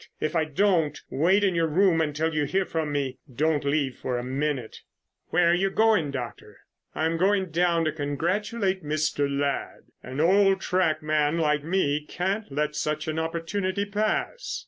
If I don't, wait in your room until you hear from me. Don't leave it for a minute." "Where are you going, Doctor?" "I'm going down and congratulate Mr. Ladd. An old track man like me can't let such an opportunity pass."